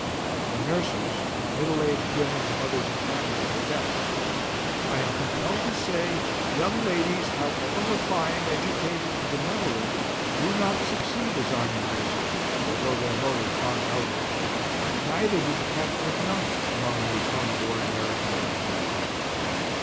For nurses, middle aged women and mothers of families are best. I am compelled to say young ladies, however refined, educated, and benevolent, do not succeed as army nurses, though their motives are noble; neither do the Catholic nuns, among these home born American young men.